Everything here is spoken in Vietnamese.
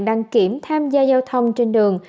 đăng kiểm tham gia giao thông trên đường